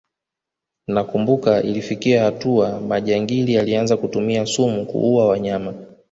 Nakumbuka ilifikia hatua majangili yalianza kutumia sumu kuua wanyama